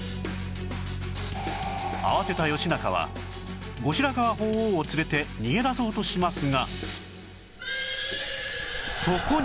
慌てた義仲は後白河法皇を連れて逃げ出そうとしますがそこに